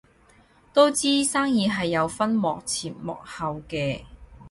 都知生意係有分幕前幕後嘅